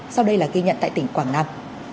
sau đây là ghi nhận tại tỉnh quảng nam